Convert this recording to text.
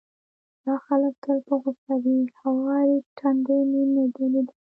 دا خلک تل په غوسه وي، هوارې ټنډې مې نه دي ليدلې،